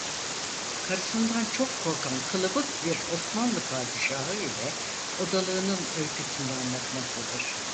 Karısından çok korkan kılıbık bir Osmanlı paşası ile odalığının öyküsünü anlatmaktadır.